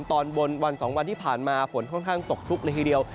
ตอนบนวัน๒วันที่ผ่านมาฝนค่อนข้างตกชุกเลยทีเดียว